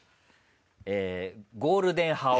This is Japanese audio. ゴールデン覇王。